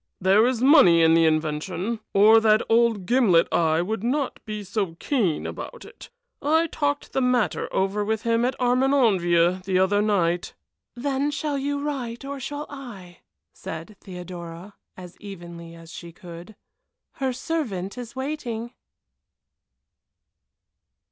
There is money in the invention, or that old gimlet eye would not be so keen about it; I talked the matter over with him at Armenonville the other night." "Then shall you write or shall I?" said Theodora, as evenly as she could. "Her servant is waiting."